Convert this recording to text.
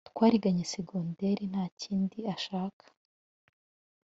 twariganye segondere ntakindi ashaka